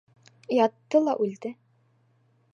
Ятты ла үлде.